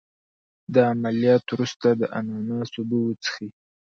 د عملیات وروسته د اناناس اوبه وڅښئ